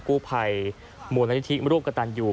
กู้ภัยมูลนิธิร่วมกระตันอยู่